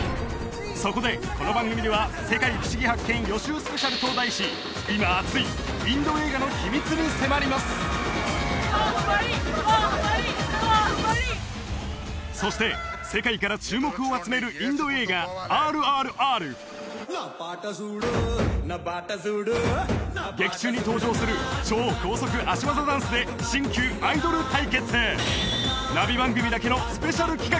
そこでこの番組では「世界ふしぎ発見！予習スペシャル」と題しに迫ります「バーフバリ」「バーフバリ」「バーフバリ」そして世界から注目を集めるインド映画「ＲＲＲ」劇中に登場する超高速足技ダンスで新旧アイドル対決ナビ番組だけのスペシャル企画